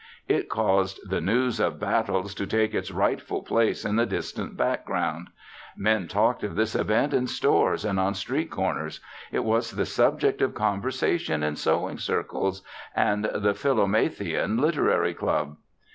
It caused the news of battles to take its rightful place in the distant background. Men talked of this event in stores and on street corners; it was the subject of conversation in sewing circles and the Philomathian Literary Club.